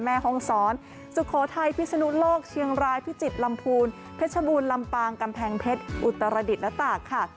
แม่ห้องซ้อนสุโขทัยพิศนุโลกเชียงรายพิจิตรลำพูนเพชรบูรลำปางกำแพงเพชรอุตรดิษฐ์และตากค่ะ